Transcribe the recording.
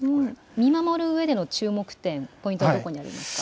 見守るうえでの注目点、ポイント、どこにありますか。